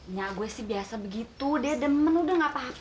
ya gue sih biasa begitu dia demen udah gak apa apa